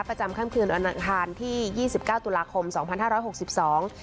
ประจำค่ำคืนวันอังคารที่ยี่สิบเก้าตุลาคมสองพันห้าร้อยหกสิบสอง